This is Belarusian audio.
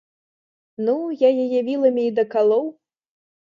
Ну, я яе віламі і дакалоў.